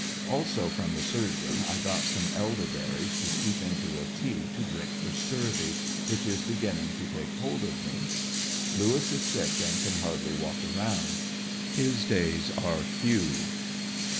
Also from the surgeon I got some elder berries to steep into a tea to drink for scurvy, wdiich is beginning to take hold of me. Lewis is ANDEBSONVILLE DIARY. 53 sick and can hardly walk around. His days are few.